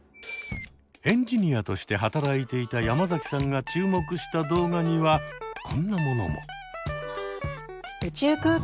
エンジニアとして働いていた山崎さんが注目した動画にはこんなものも。